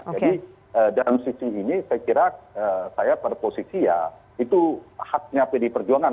jadi dalam sisi ini saya kira saya berposisi ya itu haknya pdi perjuangan